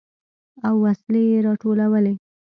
او وسلې يې راټولولې.